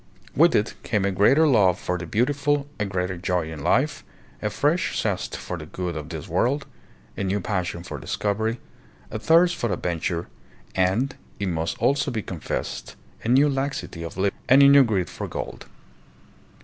With it came a greater love for the beautiful, a greater joy hi life, a fresh zest for the good of this world, a new passion for discovery, a thirst for adventure, and, it must also be confessed a new laxity of living and a new greed for gold.